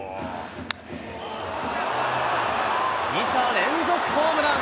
２者連続ホームラン。